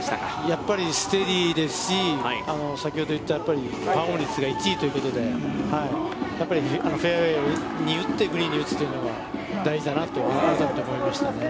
やっぱりステディですし、先ほど言った、パーオン率が１位ということで、やっぱりフェアウェイに打ってグリーンに打つというのが大事だなと改めて思いましたね。